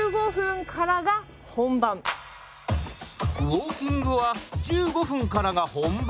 ウオーキングは１５分からが本番？